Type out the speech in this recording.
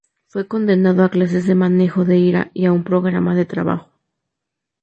Fue condenado a clases de manejo de ira y a un programa de trabajo.